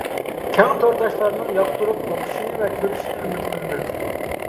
كەڭ تورداشلارنىڭ ياقتۇرۇپ ئوقۇشىنى ۋە كۆرۈشىنى ئۈمىد قىلىمەن.